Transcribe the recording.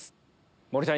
森さん